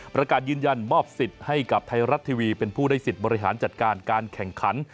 ประกาศยืนยันมอบสิทธิ์ให้กับไทยรัฐทีวีเป็นผู้ได้สิทธิ์บริหารจัดการการแข่งขัน